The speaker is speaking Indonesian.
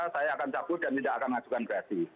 saya akan cabut dan tidak akan mengajukan grasi